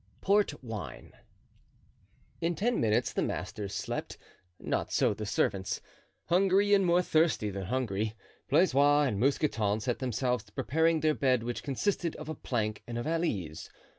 Port Wine. In ten minutes the masters slept; not so the servants— hungry, and more thirsty than hungry. Blaisois and Mousqueton set themselves to preparing their bed which consisted of a plank and a valise.